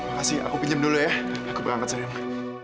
makasih aku pinjam dulu ya aku berangkat serius